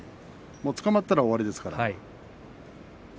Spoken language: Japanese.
つかまったら終わりですから。